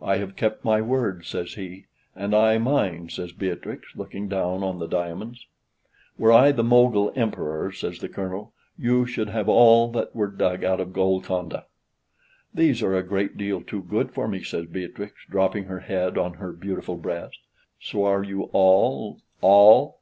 "I have kept my word," says he: "And I mine," says Beatrix, looking down on the diamonds. "Were I the Mogul Emperor," says the Colonel, "you should have all that were dug out of Golconda." "These are a great deal too good for me," says Beatrix, dropping her head on her beautiful breast, "so are you all, all!"